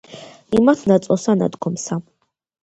იმათ ნაწოლსა ნადგომსა